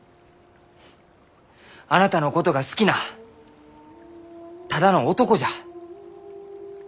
あなたのことが好きなただの男じゃ！